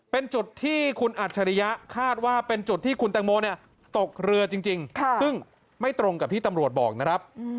เป็นจุดที่คุณอัจฉริยะคาดว่าเป็นจุดที่คุณแตงโมตกเรือจริงซึ่งไม่ตรงกับที่ตำรวจบอกนะครับ